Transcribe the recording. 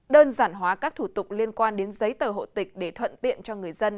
đơn giản hóa các thủ tục liên quan đến giấy tờ hộ tịch để thuận tiện cho người dân